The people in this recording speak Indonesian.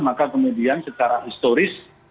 maka kemudian secara historis